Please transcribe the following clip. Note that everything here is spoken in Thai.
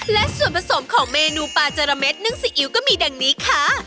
และส่วนผสมของเมนูปลาเจระเม็ดซีอิ๊วก็มีอย่างนี้ค่ะ